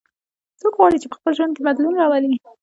څوک غواړي چې په خپل ژوند کې بدلون راولي